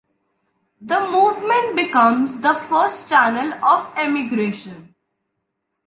The movement becomes the first channel of emigration.